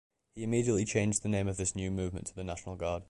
He immediately changed the name of this new movement to the National Guard.